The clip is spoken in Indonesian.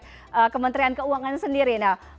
kemudian kementerian keuangan sendiri